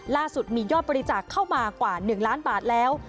ล่าสุดมียอดบริจาคเข้ามากว่า๑ล้านบาทแล้ว